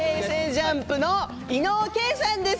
ＪＵＭＰの伊野尾慧さんです。